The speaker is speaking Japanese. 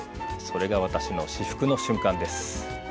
それが私の至福の瞬間です。